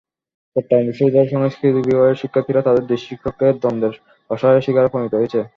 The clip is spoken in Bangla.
চট্টগ্রাম বিশ্ববিদ্যালয়ের সংস্কৃত বিভাগের শিক্ষার্থীরা তাঁদের দুই শিক্ষকের দ্বন্দ্বের অসহায় শিকারে পরিণত হয়েছে।